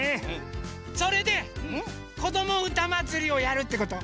それで「こどもうたまつり」をやるってこと？